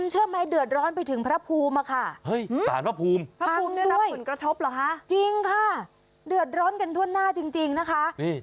จริงค่ะเดือดร้อนกันถ้วนหน้าจริงจริงนะคะนี่